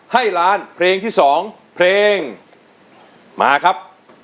ให้ล้านเพลงที่๒เพลงมาครับ